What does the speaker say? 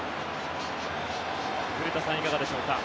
古田さん、いかがでしょうか。